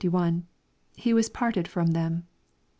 — [Hie was parted from them.